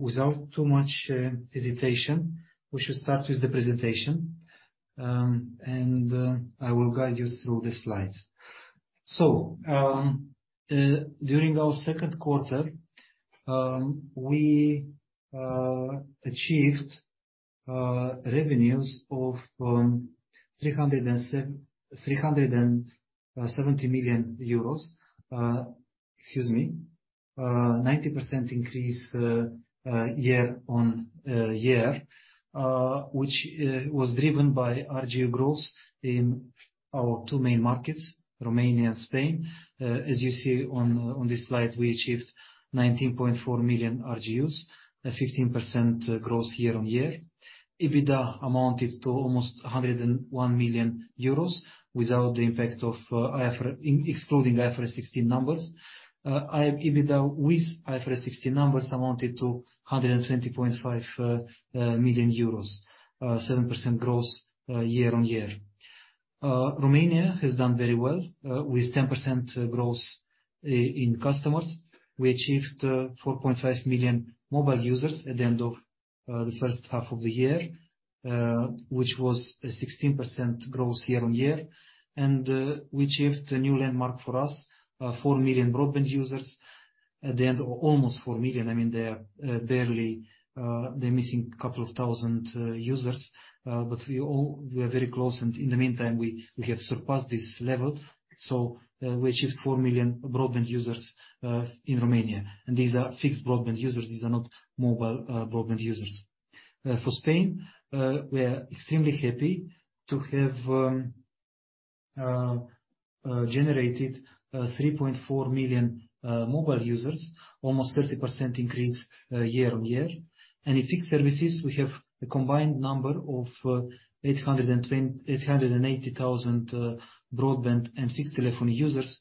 Without too much hesitation, we should start with the presentation. I will guide you through the slides. During our Q2, we achieved revenues of 370 million euros. Excuse me, 90% increase year-on-year, which was driven by RGU growth in our two main markets, Romania and Spain. As you see on this slide, we achieved 19.4 million RGUs, a 15% growth year-on-year. EBITDA amounted to almost EUR 101 million excluding IFRS 16 numbers. EBITDA with IFRS 16 numbers amounted to 120.5 million euros, 7% growth year-on-year. Romania has done very well with 10% growth in customers. We achieved 4.5 million mobile users at the end of the H1 of the year, which was a 16% growth year-on-year. We achieved a new landmark for us, 4 million broadband users at the end, almost 4 million. I mean, they are barely, they're missing a couple thousand users. We are very close, and in the meantime, we have surpassed this level. We achieved 4 million broadband users in Romania. These are fixed broadband users, these are not mobile broadband users. For Spain, we are extremely happy to have generated 3.4 million mobile users, almost 30% increase year-on-year. In fixed services, we have a combined number of 880,000 broadband and fixed telephony users,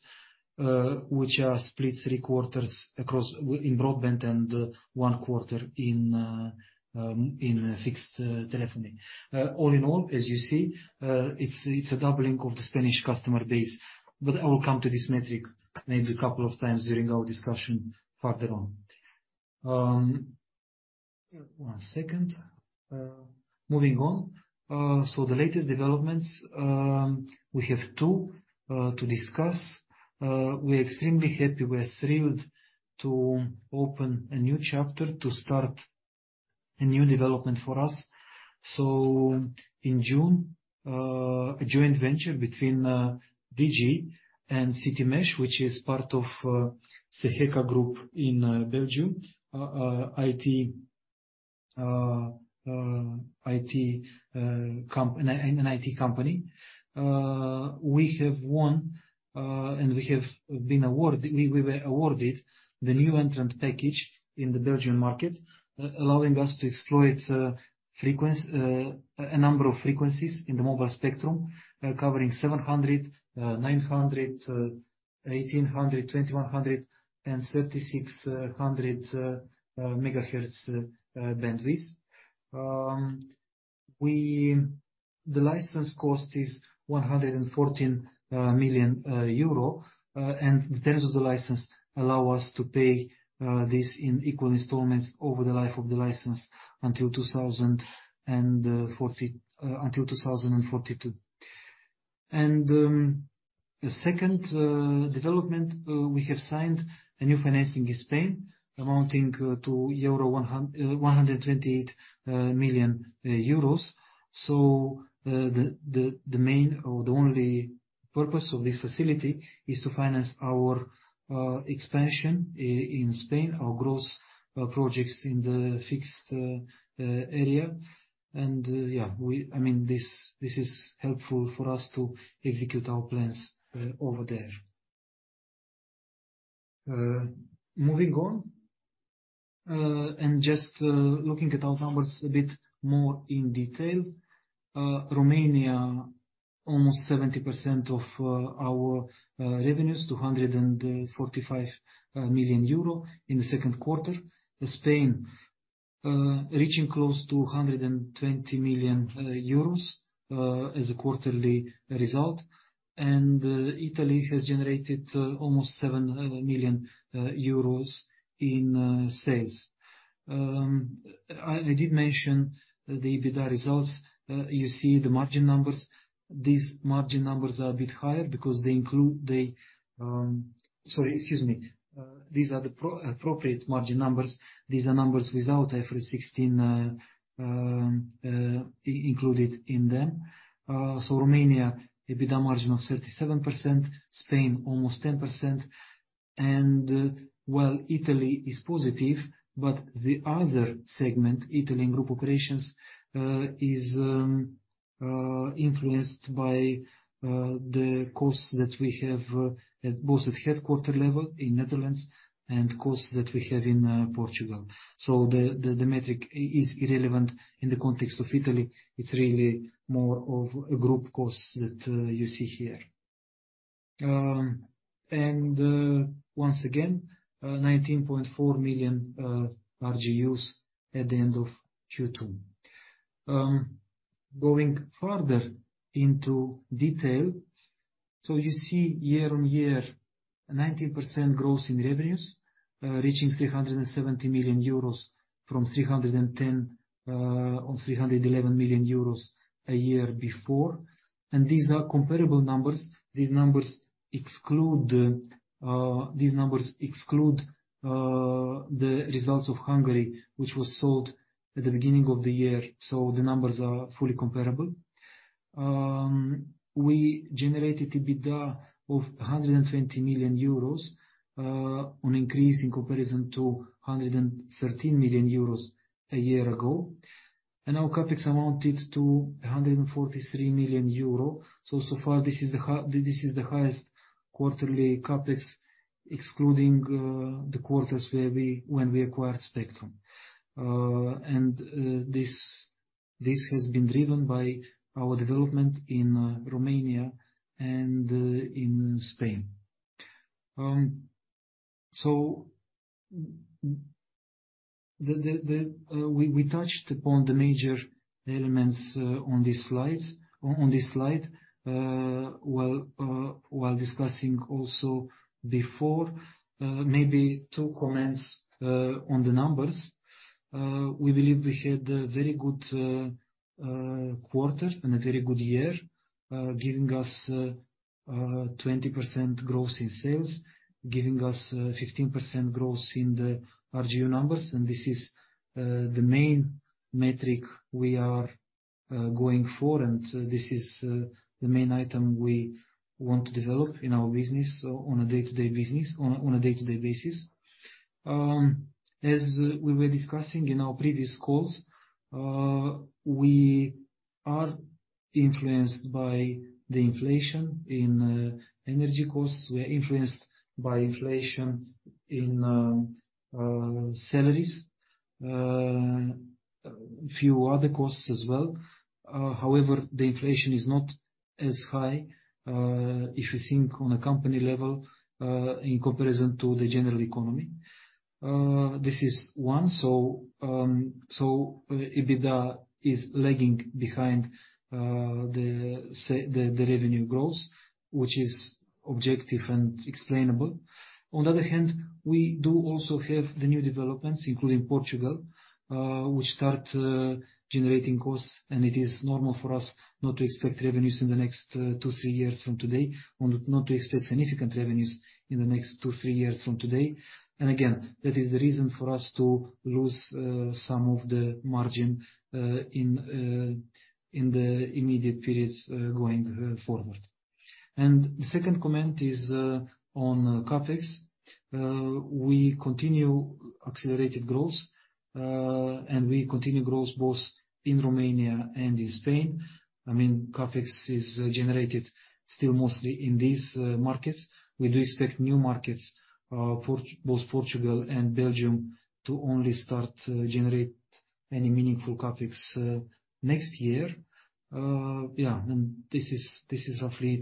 which are split three-quarters in broadband and one quarter in fixed telephony. All in all, as you see, it's a doubling of the Spanish customer base. I will come to this metric maybe a couple of times during our discussion further on. One second. Moving on. The latest developments, we have two to discuss. We are extremely happy, we are thrilled to open a new chapter to start a new development for us. In June, a joint venture between Digi and Citymesh, which is part of Cegeka Group in Belgium, an IT company. We were awarded the new entrant package in the Belgian market, allowing us to exploit a number of frequencies in the mobile spectrum, covering 700, 900, 1800, 2100, and 3600 MHz bandwidth. The license cost is 114 million euro. The terms of the license allow us to pay this in equal installments over the life of the license until 2042. The second development we have signed a new financing in Spain amounting to 128 million euros. The main or the only purpose of this facility is to finance our expansion in Spain, our growth projects in the fixed area. I mean, this is helpful for us to execute our plans over there. Moving on. Just looking at our numbers a bit more in detail. Romania, almost 70% of our revenues, 245 million euro in the Q2. Spain, reaching close to 120 million euros as a quarterly result. Italy has generated almost 7 million euros in sales. I did mention the EBITDA results. You see the margin numbers. These are the pro forma margin numbers. These are numbers without IFRS 16 included in them. Romania, EBITDA margin of 37%, Spain almost 10%. Italy is positive, but the other segment, Italy and group operations, is influenced by the costs that we have at both headquarters level in the Netherlands and costs that we have in Portugal. The metric is irrelevant in the context of Italy. It's really more of a group cost that you see here. Once again, 19.4 million RGUs at the end of Q2. Going further into detail. You see year on year, 19% growth in revenues, reaching 370 million euros from 310 or 311 million euros a year before. These are comparable numbers. These numbers exclude the results of Hungary, which was sold at the beginning of the year, so the numbers are fully comparable. We generated EBITDA of 120 million euros, on increase in comparison to 113 million euros a year ago. Our CapEx amounted to 143 million euro. So far this is the highest quarterly CapEx, excluding the quarters when we acquired Spectrum. This has been driven by our development in Romania and in Spain. We touched upon the major elements on these slides, on this slide. While discussing also before, maybe two comments on the numbers. We believe we had a very good quarter and a very good year, giving us 20% growth in sales, giving us 15% growth in the RGU numbers. This is the main metric we are going for. This is the main item we want to develop in our business on a day-to-day basis. As we were discussing in our previous calls, we are influenced by the inflation in energy costs. We are influenced by inflation in salaries, a few other costs as well. However, the inflation is not as high if you think on a company level, in comparison to the general economy. This is one. EBITDA is lagging behind the the revenue growth, which is objective and explainable. On the other hand, we do also have the new developments, including Portugal, which start generating costs. It is normal for us not to expect significant revenues in the next 2, 3 years from today. Again, that is the reason for us to lose some of the margin in the immediate periods going forward. The second comment is on CapEx. We continue accelerated growth, and we continue growth both in Romania and in Spain. I mean, CapEx is generated still mostly in these markets. We do expect new markets, both Portugal and Belgium, to only start to generate any meaningful CapEx next year. This is roughly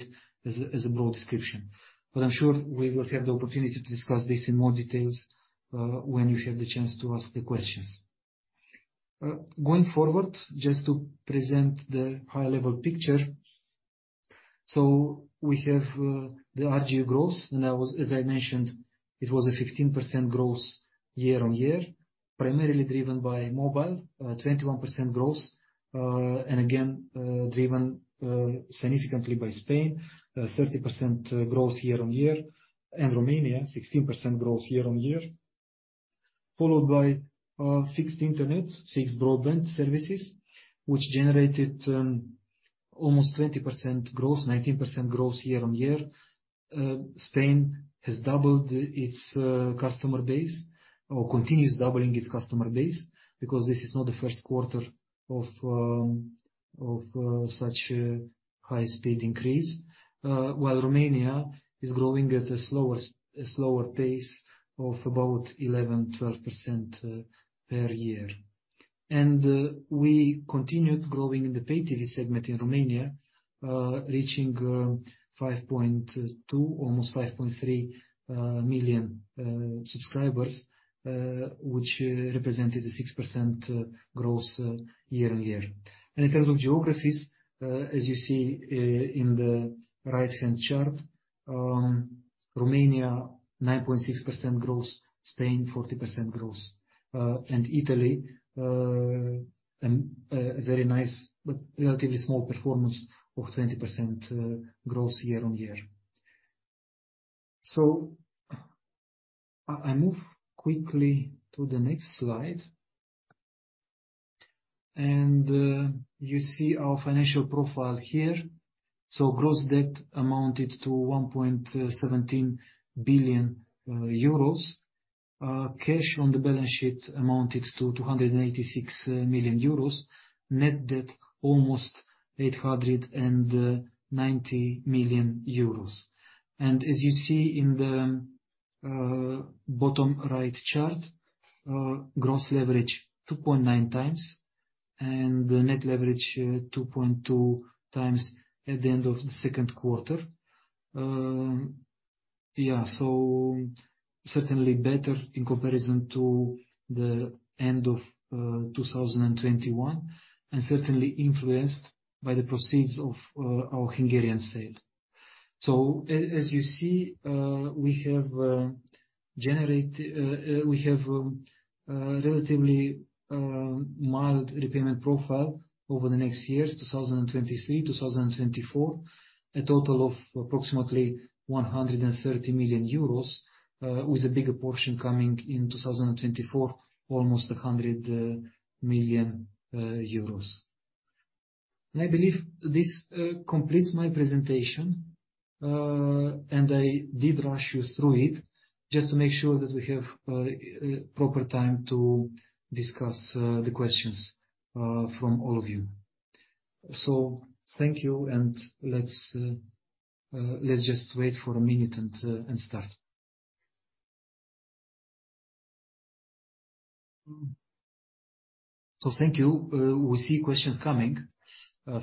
it as a broad description. I'm sure we will have the opportunity to discuss this in more details when you have the chance to ask the questions. Going forward, just to present the high level picture. We have the RGU growth, and that was, as I mentioned, a 15% growth year-on-year, primarily driven by mobile, 21% growth. And again, driven significantly by Spain, 30% growth year-on-year, and Romania, 16% growth year-on-year. Followed by fixed internet, fixed broadband services, which generated almost 20% growth, 19% year-on-year growth. Spain has doubled its customer base, or continues doubling its customer base, because this is not the Q1 of such a high speed increase. While Romania is growing at a slower pace of about 11%-12% per year. We continued growing in the pay TV segment in Romania, reaching 5.2, almost 5.3, million subscribers, which represented a 6% growth year-on-year. In terms of geographies, as you see in the right-hand chart, Romania, 9.6% growth, Spain, 40% growth. Italy, a very nice but relatively small performance of 20% growth year-on-year. I move quickly to the next slide. You see our financial profile here. Gross debt amounted to 1.17 billion euros. Cash on the balance sheet amounted to 286 million euros. Net debt, almost 890 million euros. As you see in the bottom right chart, gross leverage 2.9 times, and net leverage 2.2 times at the end of the Q2. Certainly better in comparison to the end of 2021, and certainly influenced by the proceeds of our Hungarian sale. As you see, we have generate... We have a relatively mild repayment profile over the next years, 2023, 2024, a total of approximately 130 million euros, with a bigger portion coming in 2024, almost 100 million euros. I believe this completes my presentation, and I did rush you through it just to make sure that we have proper time to discuss the questions from all of you. Thank you, and let's just wait for a minute and start. Thank you. We see questions coming.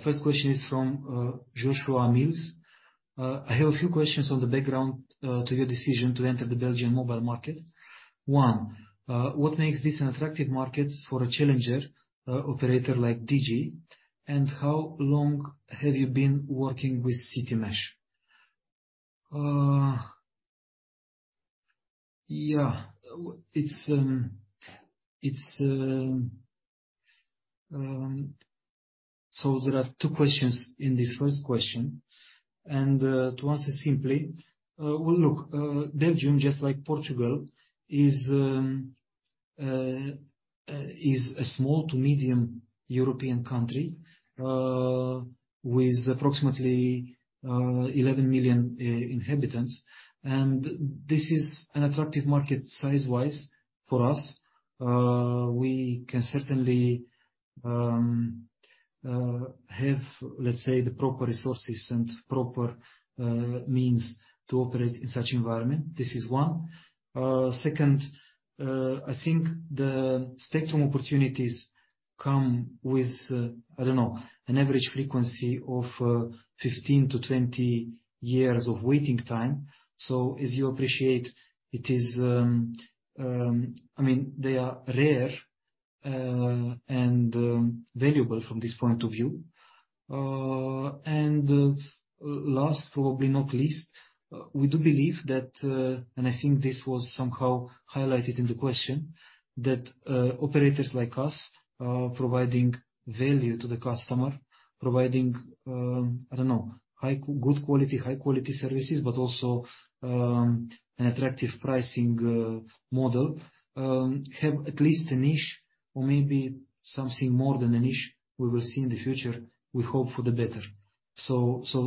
First question is from Joshua Mills. I have a few questions on the background to your decision to enter the Belgian mobile market. One, what makes this an attractive market for a challenger operator like DG? And how long have you been working with Citymesh? Yeah. It's. There are two questions in this first question, and to answer simply, well, look, Belgium, just like Portugal, is a small to medium European country with approximately 11 million inhabitants, and this is an attractive market size-wise for us. We can certainly have, let's say, the proper resources and proper means to operate in such environment. This is one. Second, I think the spectrum opportunities come with, I don't know, an average frequency of 15-20 years of waiting time. As you appreciate, it is. I mean, they are rare and valuable from this point of view. Last, probably not least, we do believe that, and I think this was somehow highlighted in the question, that operators like us providing value to the customer, providing I don't know, high quality services, but also an attractive pricing model have at least a niche or maybe something more than a niche. We will see in the future. We hope for the better.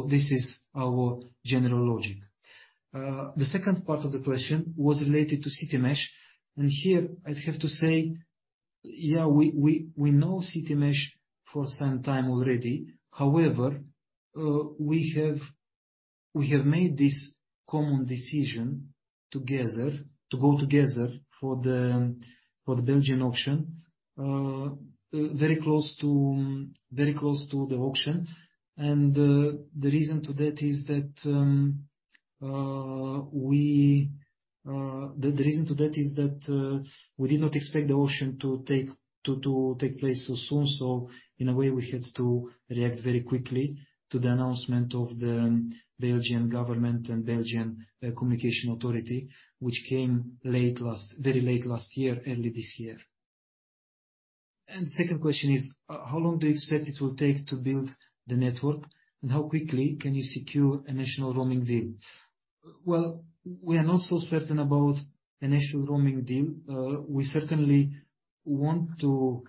This is our general logic. The second part of the question was related to Citymesh. Here I have to say, yeah, we know Citymesh for some time already. However, we have made this common decision together to go together for the Belgian auction very close to the auction. The reason to that is that we did not expect the auction to take place so soon. In a way, we had to react very quickly to the announcement of the Belgian government and Belgian communication authority, which came very late last year, early this year. Second question is, how long do you expect it will take to build the network? And how quickly can you secure a national roaming deal? Well, we are not so certain about a national roaming deal. We certainly want to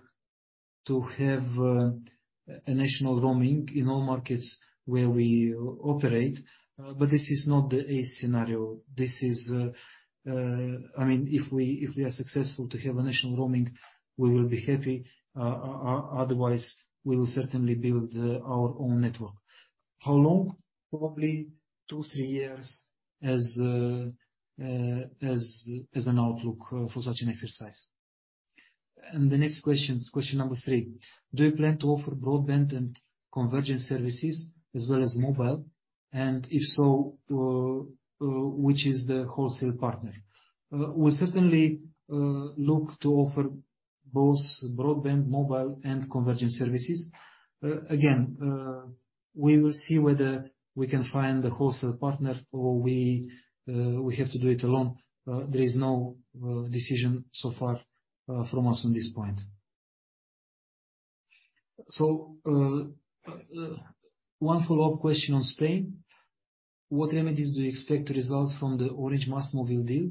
have a national roaming in all markets where we operate. This is not the A scenario. This is, I mean, if we are successful to have a national roaming, we will be happy. Otherwise, we will certainly build our own network. How long? Probably 2-3 years as an outlook for such an exercise. The next question is question number three. Do you plan to offer broadband and convergence services as well as mobile? And if so, which is the wholesale partner? We certainly look to offer both broadband, mobile and convergence services. Again, we will see whether we can find the wholesale partner or we have to do it alone. There is no decision so far from us on this point. One follow-up question on Spain. What remedies do you expect to result from the Orange MásMóvil deal?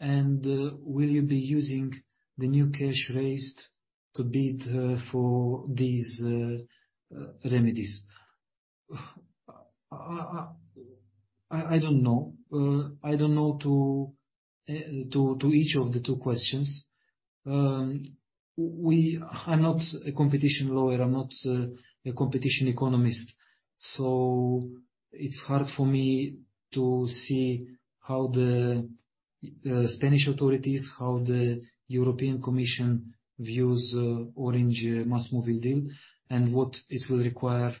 Will you be using the new cash raised to bid for these remedies? I don't know. I don't know to each of the two questions. I'm not a competition lawyer. I'm not a competition economist, so it's hard for me to see how the Spanish authorities, how the European Commission views Orange MásMóvil deal and what it will require,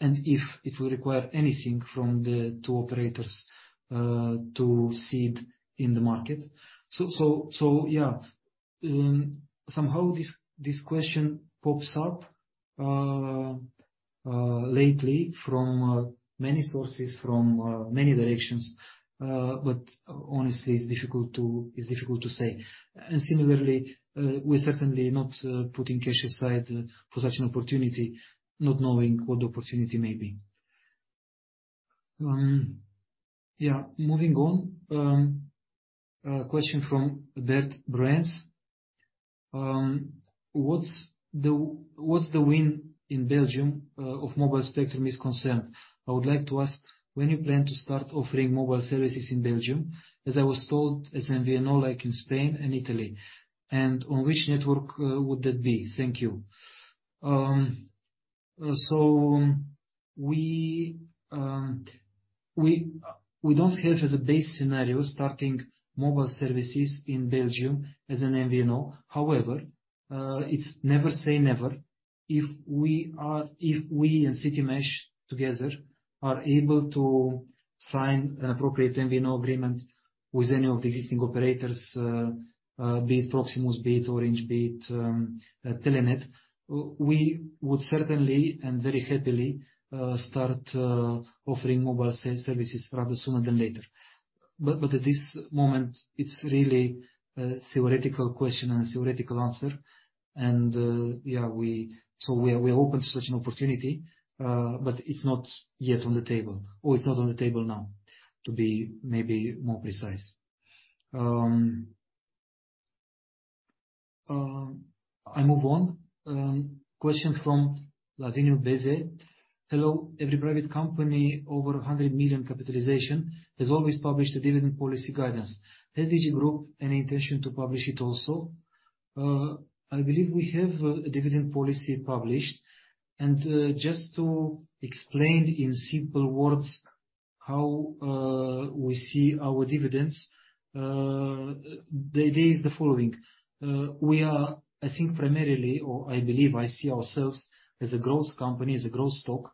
and if it will require anything from the two operators to cede in the market. Yeah. Somehow this question pops up lately from many sources, from many directions. Honestly, it's difficult to say. Similarly, we're certainly not putting cash aside for such an opportunity, not knowing what the opportunity may be. Moving on. A question from Bert Brandsma. What's the win in Belgium of mobile spectrum is concerned? I would like to ask, when you plan to start offering mobile services in Belgium, as I was told, as MVNO like in Spain and Italy, and on which network would that be? Thank you. We don't have as a base scenario starting mobile services in Belgium as an MVNO. However, it's never say never. If we and Citymesh together are able to sign an appropriate MVNO agreement with any of the existing operators, be it Proximus, be it Orange, be it Telenet, we would certainly and very happily start offering mobile services rather sooner than later. At this moment, it's really a theoretical question and a theoretical answer. We are open to such an opportunity, but it's not yet on the table, or it's not on the table now, to be maybe more precise. I move on. Question from Lăcrămioara Botezatu. Hello. Every private company over 100 million capitalization has always published a dividend policy guidance. Has Digi Group any intention to publish it also? I believe we have a dividend policy published. Just to explain in simple words how we see our dividends, the idea is the following. We are, I think, primarily, or I believe I see ourselves as a growth company, as a growth stock.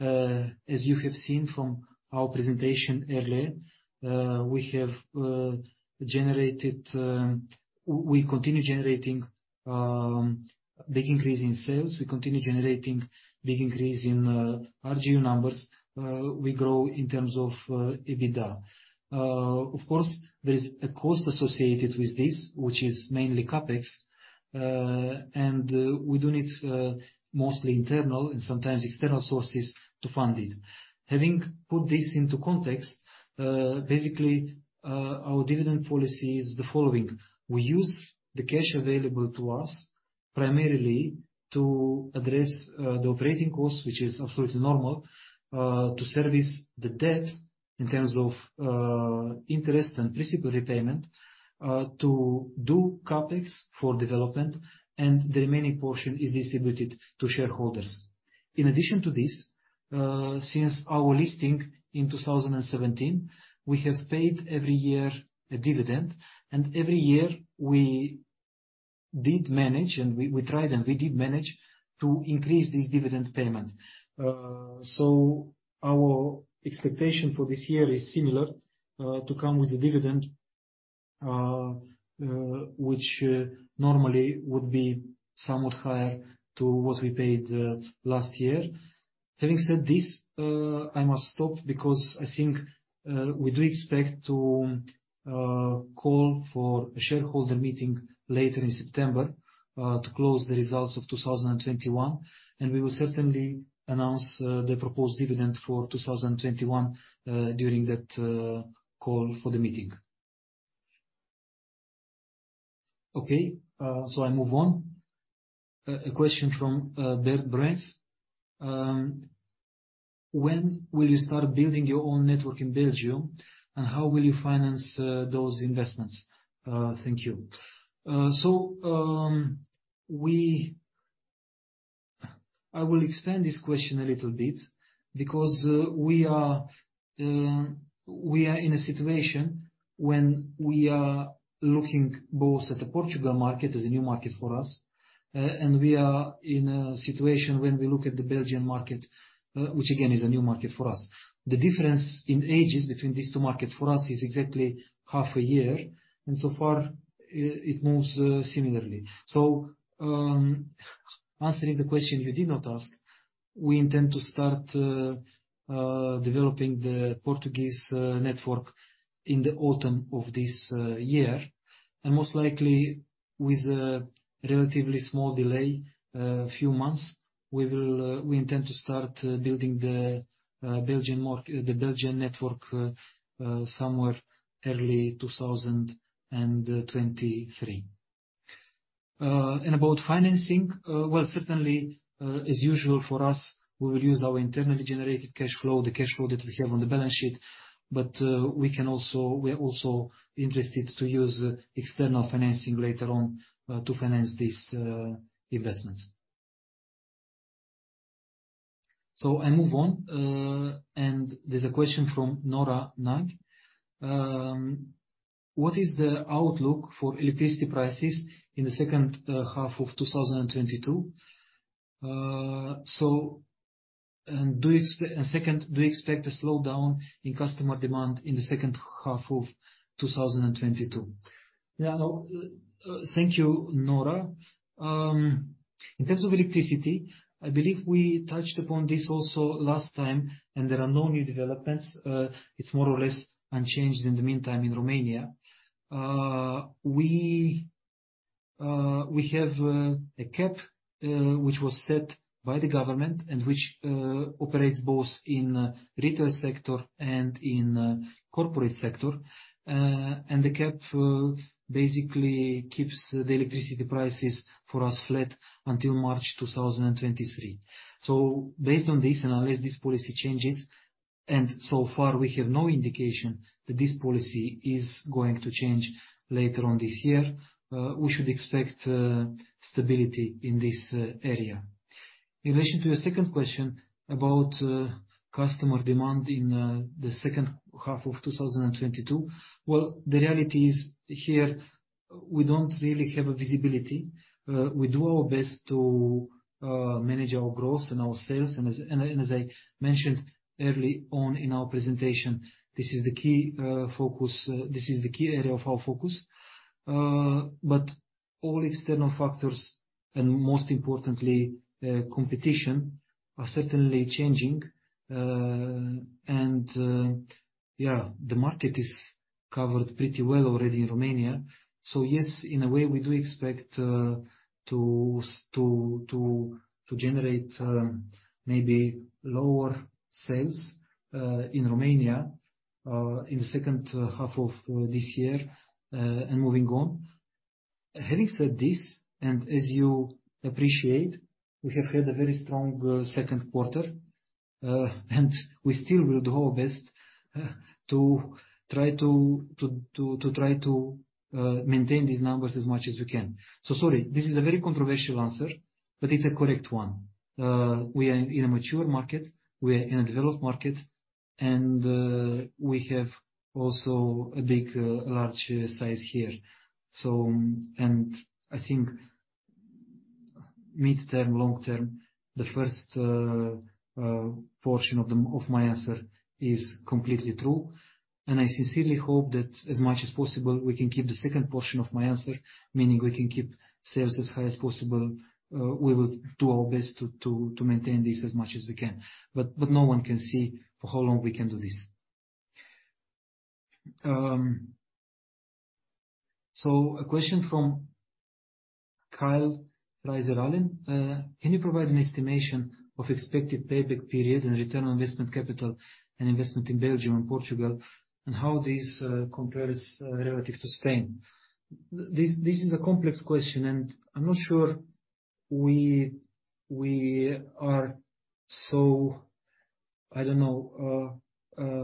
As you have seen from our presentation earlier, we continue generating big increase in sales. We continue generating big increase in RGU numbers. We grow in terms of EBITDA. Of course, there is a cost associated with this, which is mainly CapEx, and we do need mostly internal and sometimes external sources to fund it. Having put this into context, basically, our dividend policy is the following. We use the cash available to us primarily to address the operating cost, which is absolutely normal, to service the debt in terms of interest and principal repayment, to do CapEx for development, and the remaining portion is distributed to shareholders. In addition to this, since our listing in 2017, we have paid every year a dividend, and every year we did manage, and we tried, and we did manage to increase this dividend payment. Our expectation for this year is similar to come with a dividend, which normally would be somewhat higher than what we paid last year. Having said this, I must stop because I think, we do expect to call for a shareholder meeting later in September, to close the results of 2021, and we will certainly announce the proposed dividend for 2021, during that call for the meeting. Okay, I move on. A question from Bert Brandsma. When will you start building your own network in Belgium, and how will you finance those investments? Thank you. We... I will expand this question a little bit because we are in a situation when we are looking both at the Portuguese market as a new market for us, and we are in a situation when we look at the Belgian market, which again is a new market for us. The difference in ages between these two markets for us is exactly half a year, and so far it moves similarly. Answering the question you did not ask, we intend to start developing the Portuguese network in the autumn of this year. Most likely with a relatively small delay, a few months, we intend to start building the Belgian network somewhere early 2023. about financing, well, certainly, as usual for us, we will use our internally generated cash flow, the cash flow that we have on the balance sheet. We can also, we are also interested to use external financing later on, to finance these, investments. I move on, there's a question from Nora Nagy: what is the outlook for electricity prices in the second half of 2022? And second, do you expect a slowdown in customer demand in the second half of 2022? Yeah, no, thank you, Nora. In terms of electricity, I believe we touched upon this also last time, and there are no new developments. It's more or less unchanged in the meantime in Romania. We have a cap which was set by the government and which operates both in retail sector and in corporate sector. The cap basically keeps the electricity prices for us flat until March 2023. Based on this, and unless this policy changes, and so far we have no indication that this policy is going to change later on this year, we should expect stability in this area. In relation to your second question about customer demand in the H2 of 2022. Well, the reality is here we don't really have a visibility. We do our best to manage our growth and our sales. As I mentioned early on in our presentation, this is the key focus. This is the key area of our focus. All external factors, and most importantly, competition, are certainly changing. The market is covered pretty well already in Romania. Yes, in a way, we do expect to generate maybe lower sales in Romania in the H2 of this year, and moving on. Having said this, and as you appreciate, we have had a very strong Q2, and we still will do our best to try to maintain these numbers as much as we can. Sorry, this is a very controversial answer, but it's a correct one. We are in a mature market. We are in a developed market. We have also a big large size here. I think mid-term, long-term, the first portion of my answer is completely true, and I sincerely hope that as much as possible we can keep the second portion of my answer, meaning we can keep sales as high as possible. We will do our best to maintain this as much as we can. No one can see for how long we can do this. A question from Kyle Reiser-Allen. Can you provide an estimation of expected payback period and return on investment capital and investment in Belgium and Portugal, and how this compares relative to Spain? This is a complex question, and I'm not sure we are so, I don't know,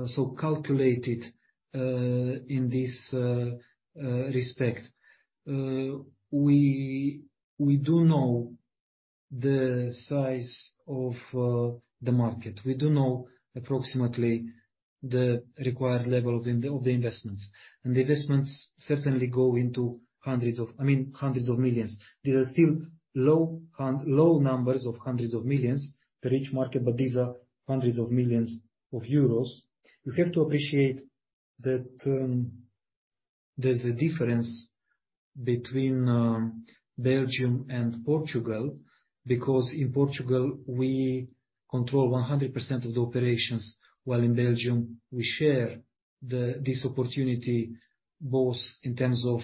so calculated in this respect. We do know the size of the market. We do know approximately the required level of the investments. The investments certainly go into, I mean, hundreds of millions. These are still low numbers of hundreds of millions for each market, but these are hundreds of millions of EUR. You have to appreciate that, there's a difference between Belgium and Portugal, because in Portugal we control 100% of the operations, while in Belgium we share this opportunity both in terms of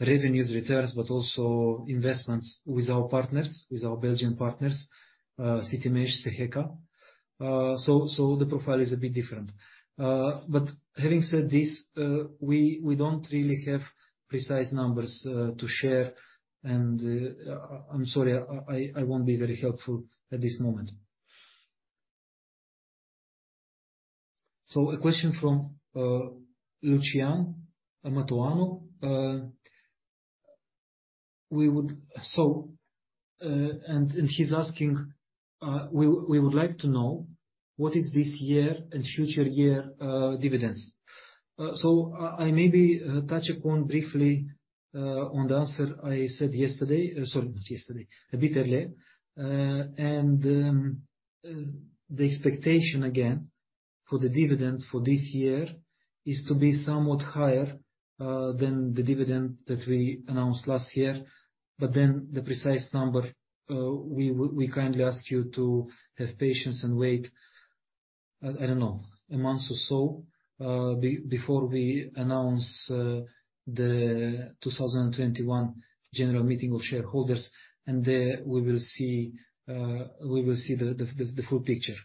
revenues, returns, but also investments with our partners, with our Belgian partners, Citymesh, Cegeka. The profile is a bit different. Having said this, we don't really have precise numbers to share. I'm sorry, I won't be very helpful at this moment. A question from Lucian Matoianu. He's asking we would like to know what is this year and future year dividends. I maybe touch upon briefly on the answer I said yesterday. Sorry, not yesterday, a bit earlier. The expectation again, for the dividend for this year is to be somewhat higher than the dividend that we announced last year. But then the precise number, we kindly ask you to have patience and wait, I don't know, a month or so, before we announce the 2021 general meeting of shareholders. There we will see the full picture.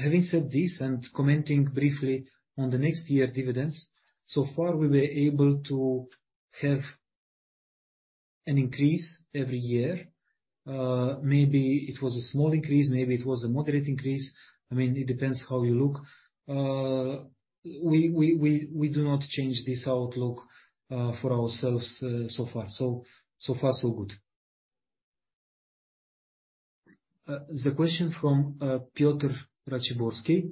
Having said this, commenting briefly on the next year dividends, so far we were able to have an increase every year. Maybe it was a small increase, maybe it was a moderate increase. I mean, it depends how you look. We do not change this outlook, for ourselves, so far. So far so good. The question from Piotr Raciborski,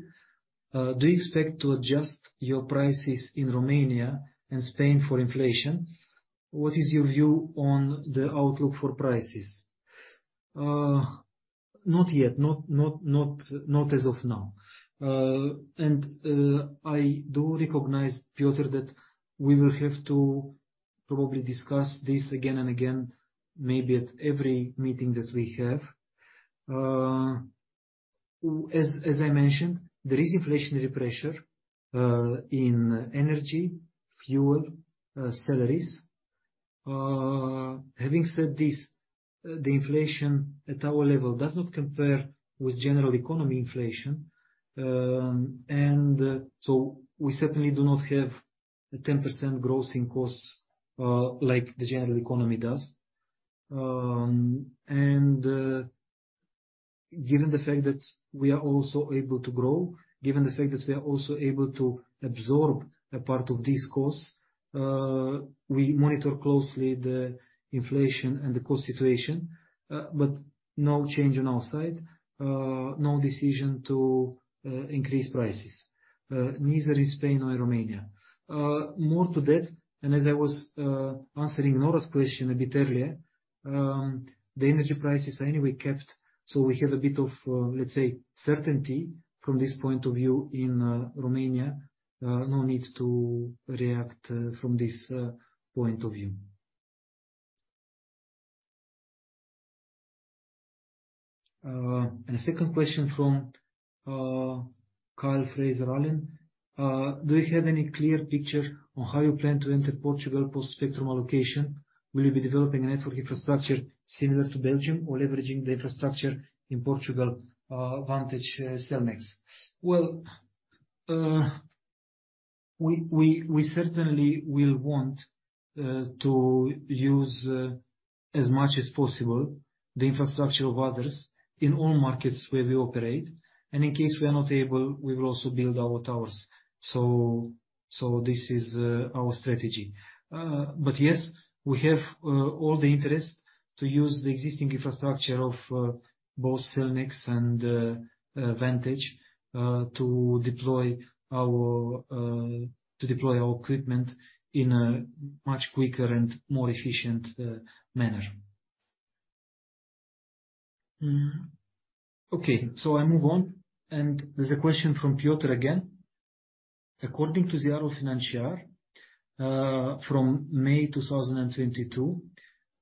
do you expect to adjust your prices in Romania and Spain for inflation? What is your view on the outlook for prices? Not yet. Not as of now. I do recognize, Piotr, that we will have to probably discuss this again and again, maybe at every meeting that we have. As I mentioned, there is inflationary pressure, in energy, fuel, salaries. Having said this, the inflation at our level does not compare with general economy inflation. We certainly do not have a 10% rising cost like the general economy does. Given the fact that we are also able to grow, given the fact that we are also able to absorb a part of this cost, we monitor closely the inflation and the cost situation. No change on our side. No decision to increase prices neither in Spain or Romania. More than that, and as I was answering Nora's question a bit earlier, the energy prices are anyway capped, so we have a bit of, let's say, certainty from this point of view in Romania. No need to react from this point of view. A second question from Carl Fraser-Allen. Do you have any clear picture on how you plan to enter Portugal post-spectrum allocation? Will you be developing a network infrastructure similar to Belgium or leveraging the infrastructure in Portugal, Vantage, Cellnex? Well, we certainly will want to use as much as possible the infrastructure of others in all markets where we operate, and in case we are not able, we will also build our towers. This is our strategy. Yes, we have all the interest to use the existing infrastructure of both Cellnex and Vantage to deploy our equipment in a much quicker and more efficient manner. Okay, I move on. There's a question from Piotr again. According to Ziarul Financiar from May 2022,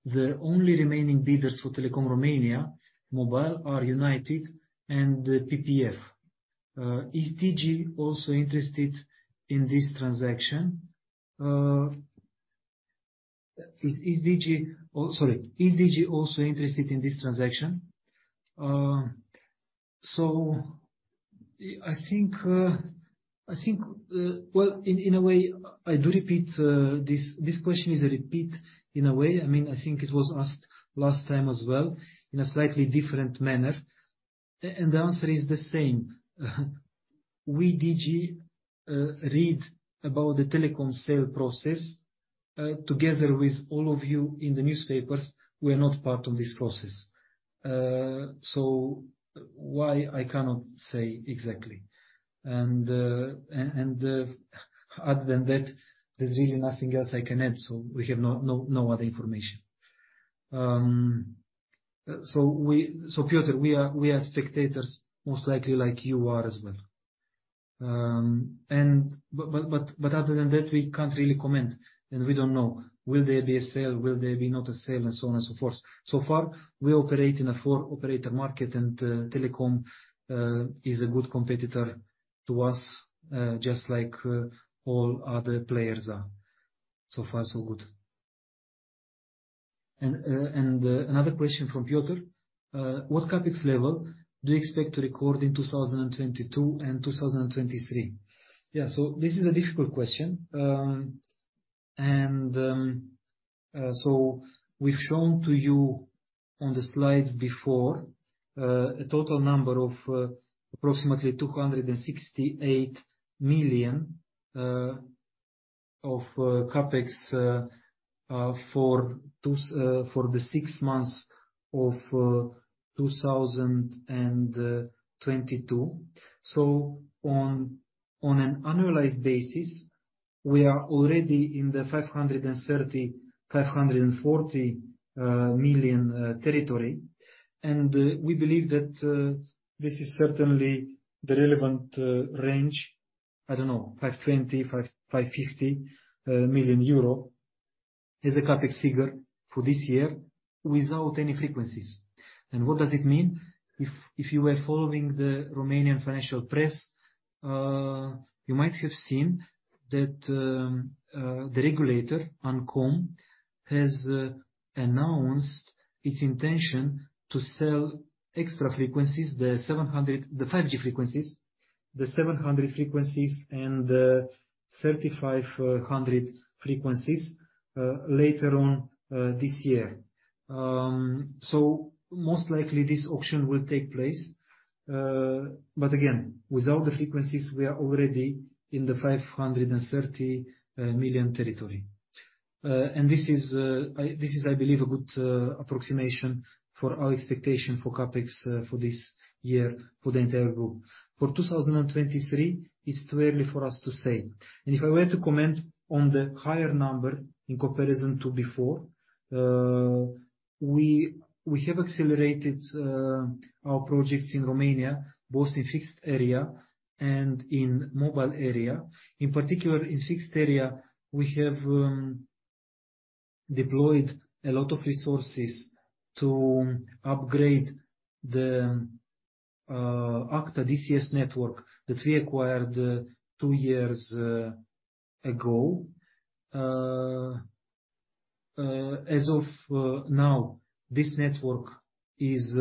the only remaining bidders for Telekom Romania Mobile are United Group and PPF Group. Is DG also interested in this transaction? Is DG also interested in this transaction? Sorry. I think this question is a repeat in a way. I mean, I think it was asked last time as well in a slightly different manner. The answer is the same. We, DG, read about the Telecom sale process together with all of you in the newspapers. We are not part of this process. Why? I cannot say exactly. Other than that, there's really nothing else I can add. We have no other information. Piotr, we are spectators, most likely like you are as well. Other than that, we can't really comment, and we don't know. Will there be a sale? Will there be not a sale? So on and so forth. We operate in a four-operator market, and Telecom is a good competitor to us, just like all other players are. So far, so good. Another question from Piotr. What CapEx level do you expect to record in 2022 and 2023? Yeah. This is a difficult question. We've shown to you on the slides before a total number of approximately 268 million of CapEx for the six months of 2022. On an annualized basis, we are already in the 530 million-540 million territory. We believe that this is certainly the relevant range. I don't know, 520 million-550 million euro is the CapEx figure for this year without any frequencies. What does it mean? If you were following the Romanian financial press, you might have seen that the regulator, ANCOM, has announced its intention to sell extra frequencies, the 700. The 5G frequencies, the 700 frequencies and the 3,500 frequencies later on this year. Most likely this auction will take place. Without the frequencies, we are already in the 530 million territory. This is, I believe, a good approximation for our expectation for CapEx for this year for the entire group. For 2023, it's too early for us to say. If I were to comment on the higher number in comparison to before, we have accelerated our projects in Romania, both in fixed area and in mobile area. In particular, in fixed area, we have deployed a lot of resources to upgrade the AKTA DCS network that we acquired two years ago. As of now, this network is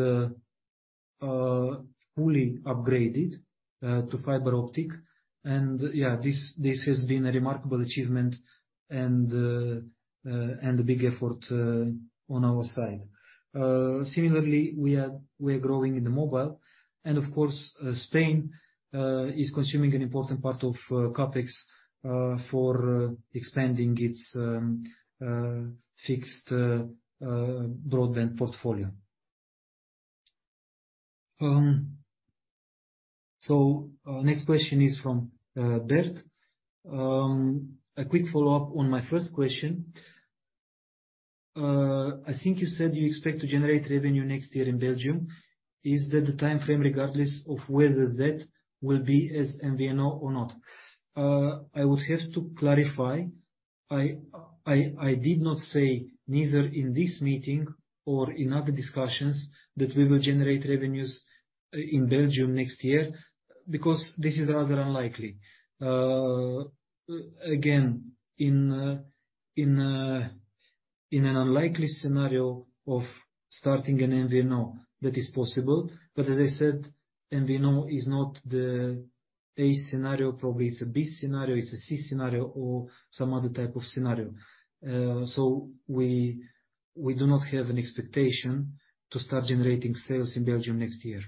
fully upgraded to fiber optic. Yeah, this has been a remarkable achievement and a big effort on our side. Similarly, we are growing in the mobile. Of course, Spain is consuming an important part of CapEx for expanding its fixed broadband portfolio. Next question is from Bert. A quick follow-up on my first question. I think you said you expect to generate revenue next year in Belgium. Is that the timeframe regardless of whether that will be as MVNO or not? I would have to clarify. I did not say neither in this meeting or in other discussions that we will generate revenues in Belgium next year, because this is rather unlikely. Again, in an unlikely scenario of starting an MVNO that is possible. As I said, MVNO is not the A scenario, probably it's a B scenario, it's a C scenario or some other type of scenario. We do not have an expectation to start generating sales in Belgium next year.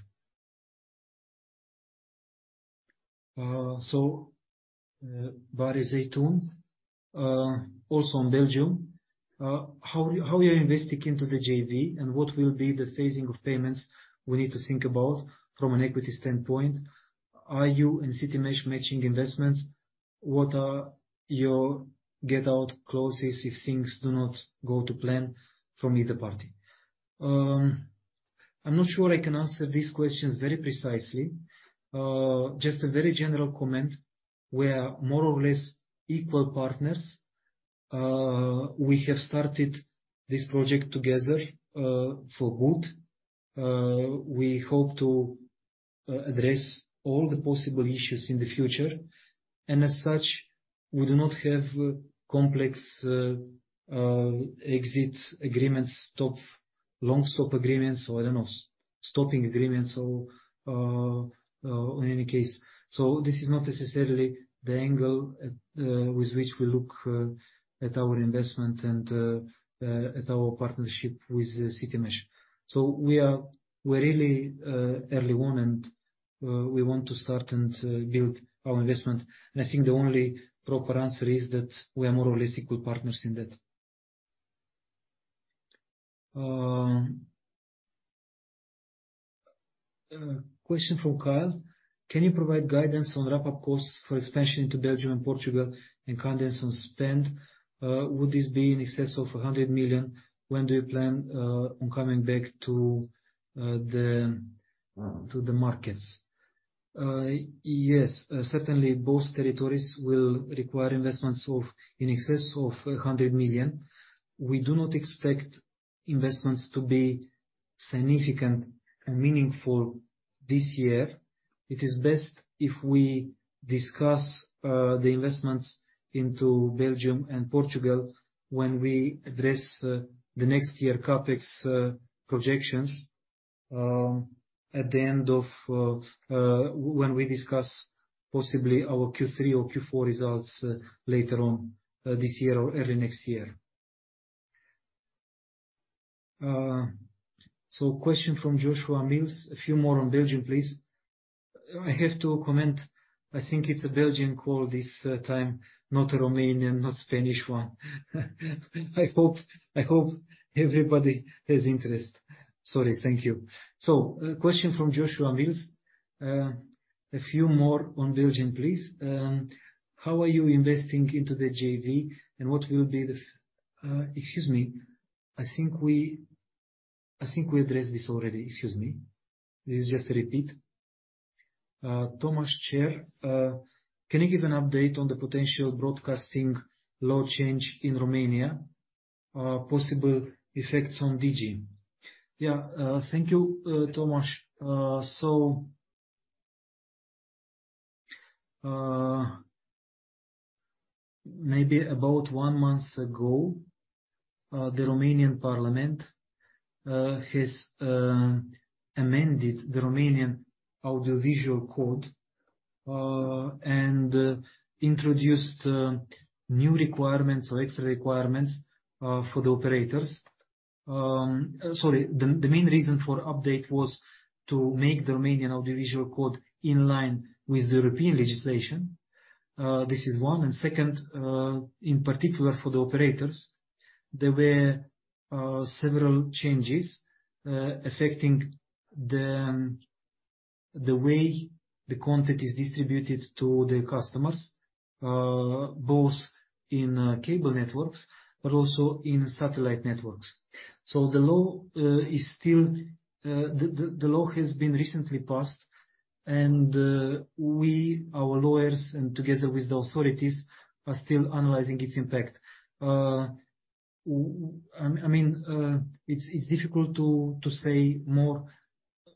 Barry Zeitoun, also on Belgium, how are you investing into the JV, and what will be the phasing of payments we need to think about from an equity standpoint? Are you and Citymesh matching investments? What are your get out clauses if things do not go to plan from either party? I'm not sure I can answer these questions very precisely. Just a very general comment. We are more or less equal partners. We have started this project together, for good. We hope to address all the possible issues in the future. As such, we do not have complex exit agreements, long stop agreements or, I don't know, stopping agreements or in any case. This is not necessarily the angle with which we look at our investment and at our partnership with Citymesh. We're really early on and we want to start and build our investment. I think the only proper answer is that we are more or less equal partners in that. A question from Kyle: Can you provide guidance on ramp-up costs for expansion into Belgium and Portugal and guidance on spend? Would this be in excess of 100 million? When do you plan on coming back to the markets? Yes. Certainly both territories will require investments of in excess of 100 million. We do not expect investments to be significant and meaningful this year. It is best if we discuss the investments into Belgium and Portugal when we address the next year CapEx projections at the end of when we discuss possibly our Q3 or Q4 results later on this year or early next year. Question from Joshua Mills. A few more on Belgium, please. I have to comment. I think it's a Belgian call this time, not a Romanian, not Spanish one. I hope everybody has interest. Sorry. Thank you. Question from Joshua Mills. A few more on Belgium, please. How are you investing into the JV, and what will be the? Excuse me. I think we addressed this already. Excuse me. This is just a repeat. Thomas Sherr, can you give an update on the potential broadcasting law change in Romania? Possible effects on Digi. Yeah. Thank you, Thomas. Maybe about one month ago, the Romanian parliament has amended the Romanian Audiovisual Code and introduced new requirements or extra requirements for the operators. Sorry, the main reason for update was to make the Romanian Audiovisual Code in line with the European legislation. This is one. Second, in particular for the operators, there were several changes affecting the way the content is distributed to the customers, both in cable networks but also in satellite networks. The law has been recently passed and our lawyers and together with the authorities are still analyzing its impact. I mean, it's difficult to say more,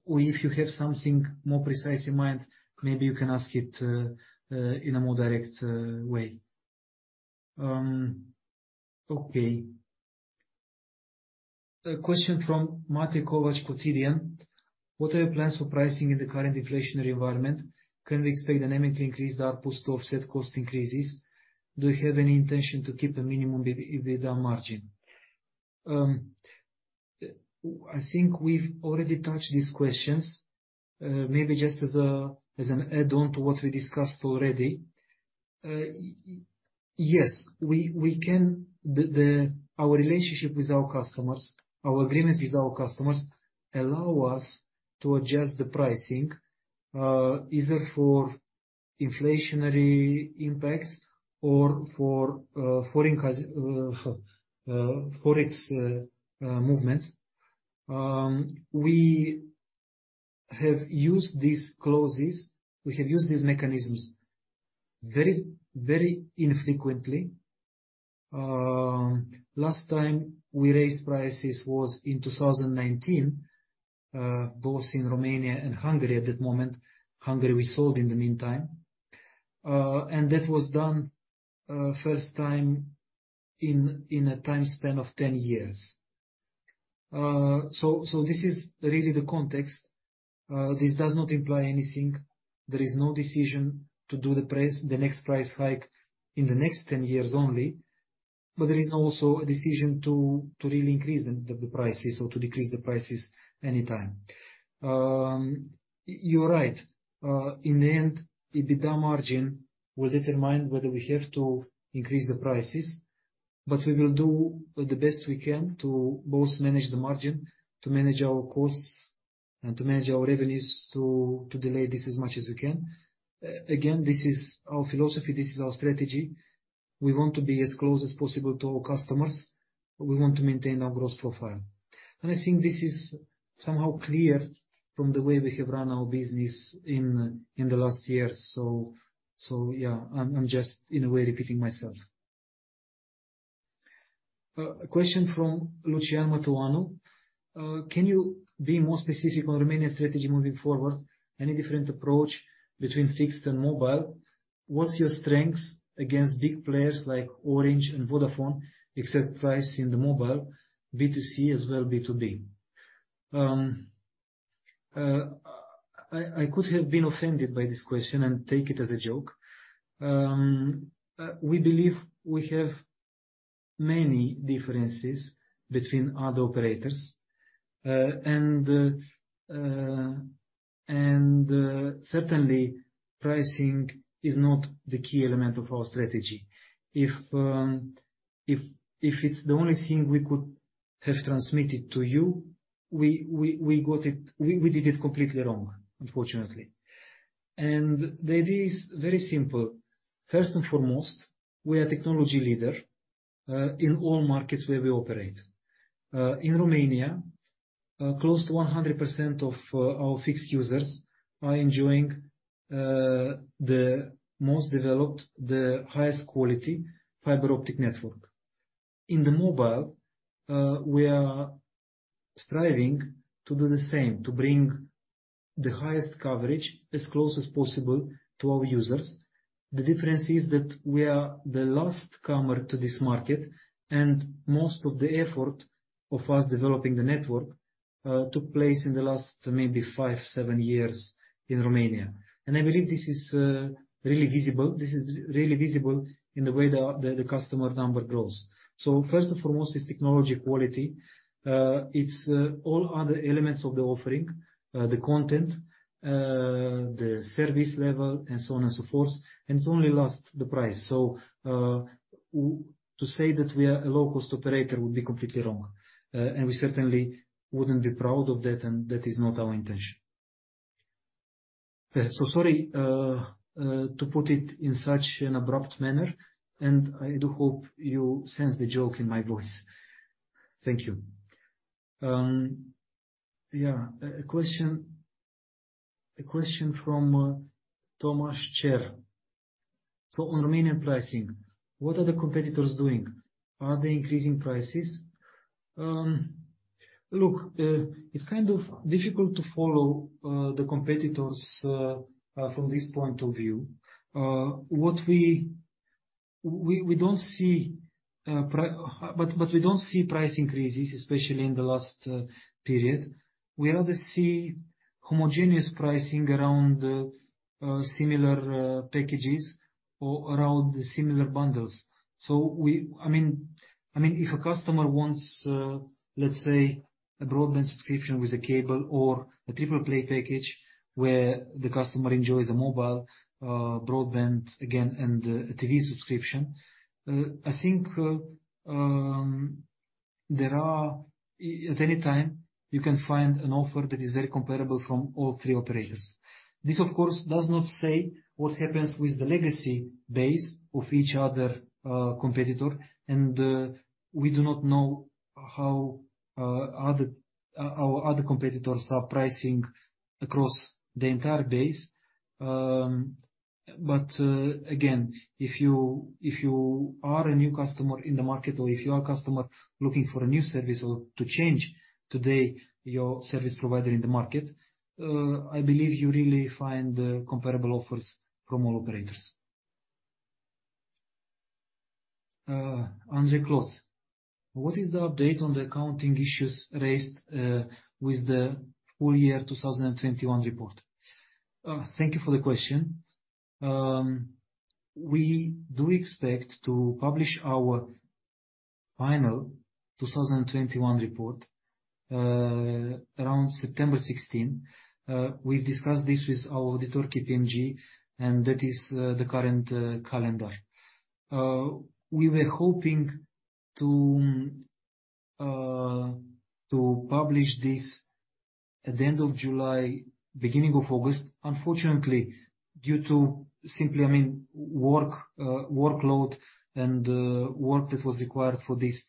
or if you have something more precise in mind, maybe you can ask it in a more direct way. A question from Matei Kovach, Cotidian. What are your plans for pricing in the current inflationary environment? Can we expect dynamically increase the outputs to offset cost increases? Do you have any intention to keep a minimum EBITDA margin? I think we've already touched these questions. Maybe just as an add-on to what we discussed already. Yes, we can. Our relationship with our customers, our agreements with our customers allow us to adjust the pricing, either for inflationary impacts or for Forex movements. We have used these clauses. We have used these mechanisms very infrequently. Last time we raised prices was in 2019, both in Romania and Hungary at that moment. Hungary, we sold in the meantime. That was done first time in a time span of 10 years. This is really the context. This does not imply anything. There is no decision to do the price, the next price hike in the next 10 years only. There is also a decision to really increase the prices or to decrease the prices anytime. You're right. In the end, EBITDA margin will determine whether we have to increase the prices, but we will do the best we can to both manage the margin, to manage our costs and to manage our revenues to delay this as much as we can. Again, this is our philosophy. This is our strategy. We want to be as close as possible to our customers. We want to maintain our growth profile. I think this is somehow clear from the way we have run our business in the last years. Yeah, I'm just in a way repeating myself. A question from Lucian Matoianu. Can you be more specific on Romanian strategy moving forward? Any different approach between fixed and mobile? What's your strengths against big players like Orange and Vodafone, except price in the mobile, B2C as well B2B? I could have been offended by this question and take it as a joke. We believe we have many differences between other operators. Certainly pricing is not the key element of our strategy. If it's the only thing we could have transmitted to you, we got it, we did it completely wrong, unfortunately. The idea is very simple. First and foremost, we are technology leader in all markets where we operate. In Romania, close to 100% of our fixed users are enjoying the most developed, the highest quality fiber optic network. In the mobile, we are striving to do the same, to bring the highest coverage as close as possible to our users. The difference is that we are the last comer to this market, and most of the effort of us developing the network took place in the last maybe 5, 7 years in Romania. I believe this is really visible. This is really visible in the way the customer number grows. First and foremost, it's technology quality. It's all other elements of the offering, the content, the service level and so on and so forth. It's only last the price. To say that we are a low-cost operator would be completely wrong. We certainly wouldn't be proud of that, and that is not our intention. Sorry to put it in such an abrupt manner, and I do hope you sense the joke in my voice. Thank you. A question from Thomas Sherr. On Romanian pricing, what are the competitors doing? Are they increasing prices? Look, it's kind of difficult to follow the competitors from this point of view. We don't see price increases, especially in the last period. We rather see homogeneous pricing around similar packages or around similar bundles. We... I mean, if a customer wants, let's say, a broadband subscription with a cable or a triple play package where the customer enjoys a mobile broadband and a TV subscription, I think at any time you can find an offer that is very comparable from all three operators. This, of course, does not say what happens with the legacy base of each other competitor. We do not know how our other competitors are pricing across the entire base. Again, if you are a new customer in the market or if you are a customer looking for a new service or to change today your service provider in the market, I believe you really find comparable offers from all operators. Andre Klaus, "What is the update on the accounting issues raised with the full year 2021 report?" Thank you for the question. We do expect to publish our final 2021 report around September 16. We've discussed this with our auditor, KPMG, and that is the current calendar. We were hoping to publish this at the end of July, beginning of August. Unfortunately, due to simply, I mean, workload and work that was required for this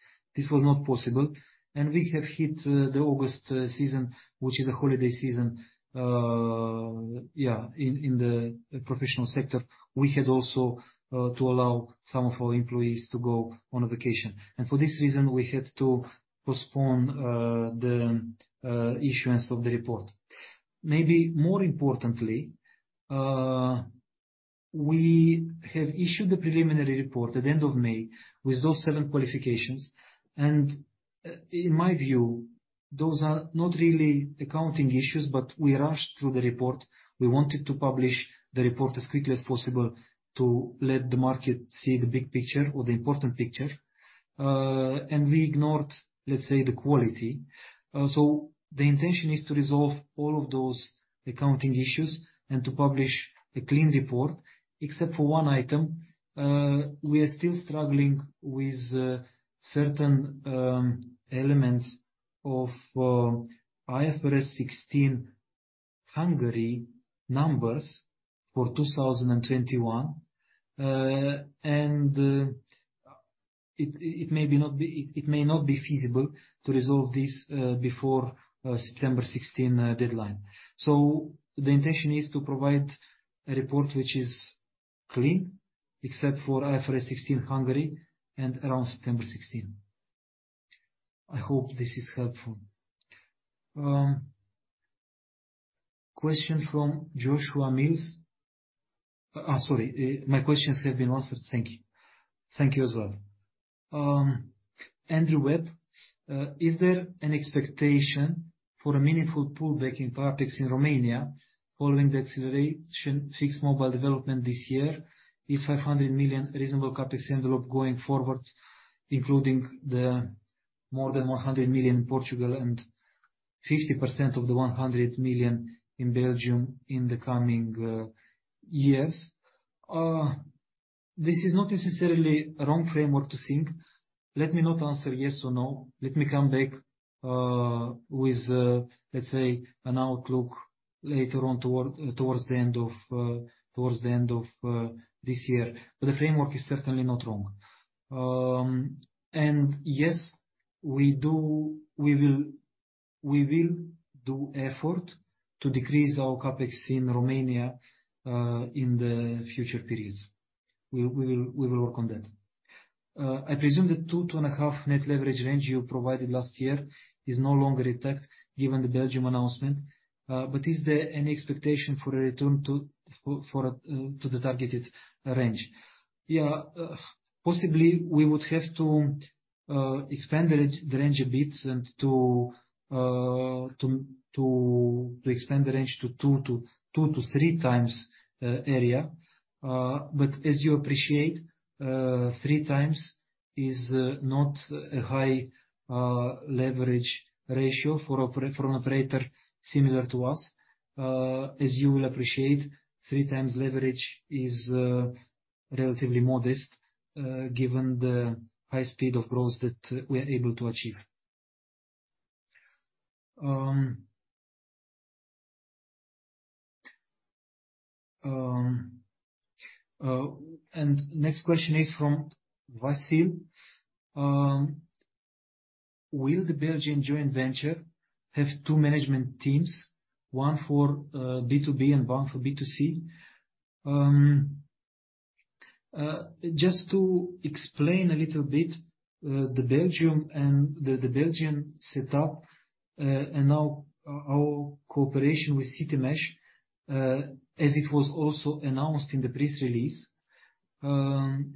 was not possible. We have hit the August season, which is a holiday season in the professional sector. We had also to allow some of our employees to go on a vacation. For this reason, we had to postpone the issuance of the report. Maybe more importantly, we have issued the preliminary report at the end of May with those seven qualifications. In my view, those are not really accounting issues, but we rushed through the report. We wanted to publish the report as quickly as possible to let the market see the big picture or the important picture. We ignored, let's say, the quality. The intention is to resolve all of those accounting issues and to publish a clean report, except for one item. We are still struggling with certain elements of IFRS 16 Hungary numbers for 2021. It may not be feasible to resolve this before September 16 deadline. The intention is to provide a report which is clean, except for IFRS 16 Hungary and around September 2016. I hope this is helpful. Question from Joshua Mills. Sorry, my questions have been answered. Thank you. Thank you as well. Andrew Webb, "Is there an expectation for a meaningful pullback in CapEx in Romania following the acceleration fixed mobile development this year? Is 500 million reasonable CapEx envelope going forward, including the more than 100 million Portugal and 50% of the 100 million in Belgium in the coming years?" This is not necessarily a wrong framework to think. Let me not answer yes or no. Let me come back with, let's say, an outlook later on toward the end of this year. The framework is certainly not wrong. We will do effort to decrease our CapEx in Romania in the future periods. We will work on that. I presume the 2-2.5 net leverage range you provided last year is no longer intact given the Belgian announcement. Is there any expectation for a return to the targeted range? Yeah. Possibly we would have to expand the range a bit and to expand the range to 2-3 times EBITDA. As you appreciate, 3 times is not a high leverage ratio for an operator similar to us. As you will appreciate, 3x leverage is relatively modest, given the high speed of growth that we are able to achieve. Next question is from Vasil. Will the Belgian joint venture have two management teams, one for B2B and one for B2C? Just to explain a little bit, the Belgian setup and our cooperation with Citymesh. As it was also announced in the press release, and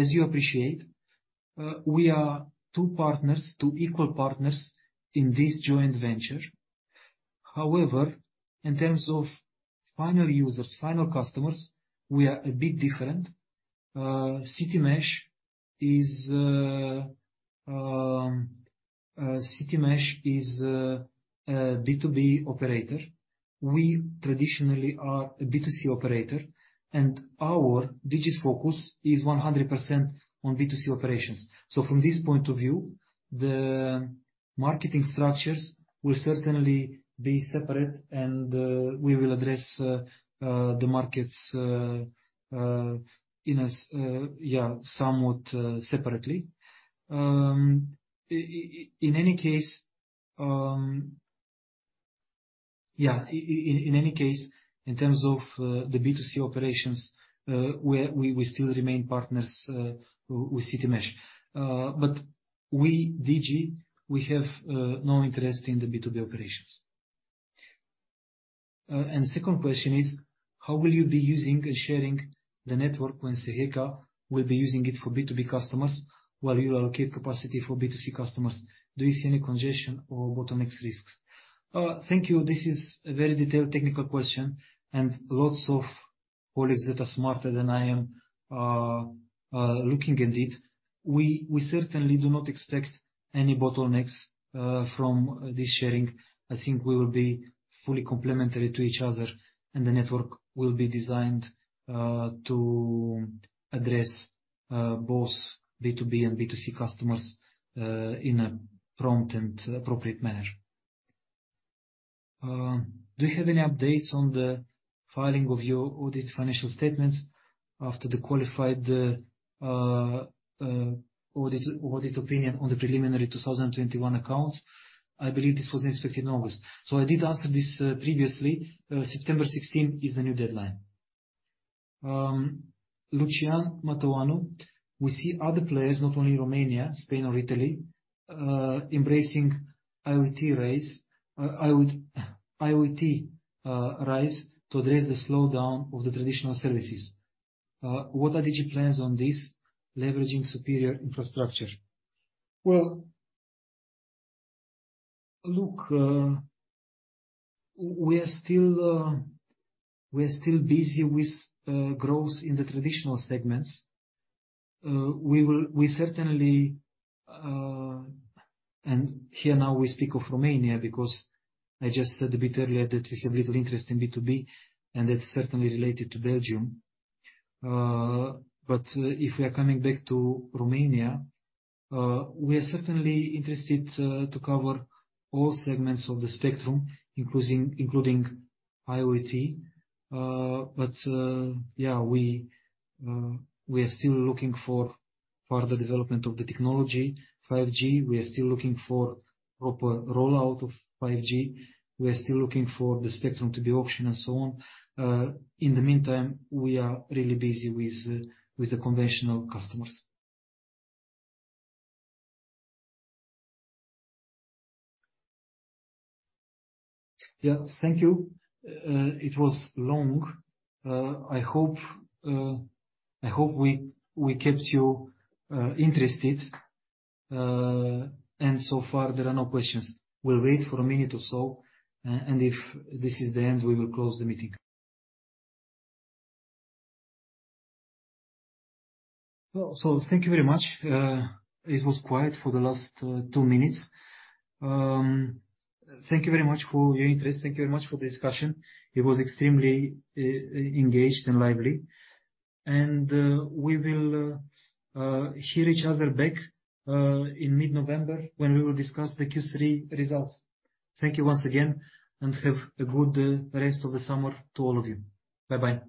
as you appreciate, we are two partners, two equal partners in this joint venture. However, in terms of final users, final customers, we are a bit different. Citymesh is a B2B operator. We traditionally are a B2C operator, and our Digi's focus is 100% on B2C operations. From this point of view, the marketing structures will certainly be separate and we will address the markets, you know, somewhat separately. In any case, in terms of the B2C operations, we're we still remain partners with Citymesh. But we, Digi, we have no interest in the B2B operations. Second question is, how will you be using and sharing the network when Cegeka will be using it for B2B customers while you allocate capacity for B2C customers? Do you see any congestion or bottleneck risks? Thank you. This is a very detailed technical question and lots of colleagues that are smarter than I am are looking at it. We certainly do not expect any bottlenecks from this sharing. I think we will be fully complementary to each other, and the network will be designed to address both B2B and B2C customers in a prompt and appropriate manner. Do you have any updates on the filing of your audit financial statements after the qualified audit opinion on the preliminary 2021 accounts? I believe this was expected in August. I did answer this previously. September sixteenth is the new deadline. Lucian Matoianu, we see other players, not only Romania, Spain or Italy, embracing IoT rise to address the slowdown of the traditional services. What are Digi plans on this, leveraging superior infrastructure? Well, look, we are still busy with growth in the traditional segments. We certainly and here now we speak of Romania because I just said a bit earlier that we have little interest in B2B, and that's certainly related to Belgium. If we are coming back to Romania, we are certainly interested to cover all segments of the spectrum, including IoT. Yeah, we are still looking for further development of the technology, 5G. We are still looking for proper rollout of 5G. We are still looking for the spectrum to be auctioned and so on. In the meantime, we are really busy with the conventional customers. Yeah. Thank you. It was long. I hope we kept you interested. So far there are no questions. We'll wait for a minute or so, and if this is the end, we will close the meeting. Well, thank you very much. It was quiet for the last two minutes. Thank you very much for your interest. Thank you very much for the discussion. It was extremely engaged and lively. We will hear each other back in mid-November when we will discuss the Q3 results. Thank you once again, and have a good rest of the summer to all of you. Bye-bye.